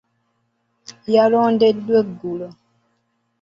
Yalondeddwa eggulo.